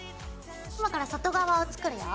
今から外側を作るよ。